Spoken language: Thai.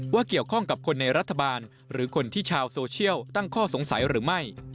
เกี่ยวข้องกับคนในรัฐบาลหรือคนที่ชาวโซเชียลตั้งข้อสงสัยหรือไม่